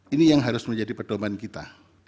ini yang harus menjadi pedoman kita